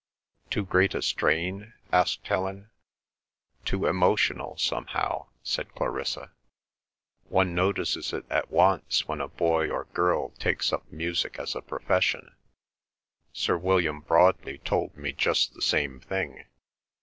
"Too great a strain?" asked Helen. "Too emotional, somehow," said Clarissa. "One notices it at once when a boy or girl takes up music as a profession. Sir William Broadley told me just the same thing.